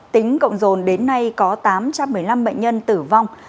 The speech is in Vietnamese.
tính cộng rồn đến nay có tám trăm một mươi năm bệnh nhân tử vong